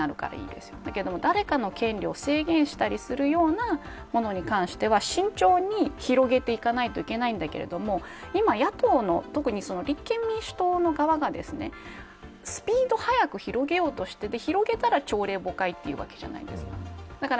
でも誰かの権利を制限したりするようなものに関しては慎重に広げていかないといけないけど今、野党の特に立憲民主党の側がスピード速く広げようとして広げたら、朝令暮改というわけじゃないですか。